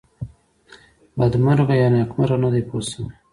بدمرغه یا نېکمرغه نه دی پوه شوې!.